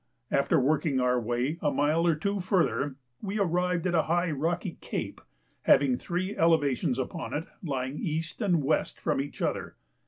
After working our way a mile or two further, we arrived at a high rocky cape having three elevations upon it lying east and west from each other.